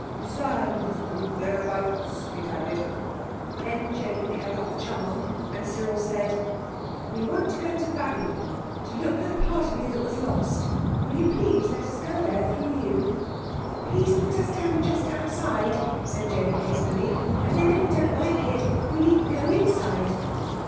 "The sand is good thereabouts," it added. Then Jane held up the charm, and Cyril said— "We want to go to Babylon to look for the part of you that was lost. Will you please let us go there through you?" "Please put us down just outside," said Jane hastily; "and then if we don't like it we needn't go inside."